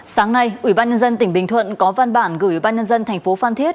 sáng nay ủy ban nhân dân tỉnh bình thuận có văn bản gửi ủy ban nhân dân thành phố phan thiết